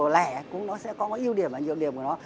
bệ cũng nó sẽ có ưu điểm và dược điểm của nó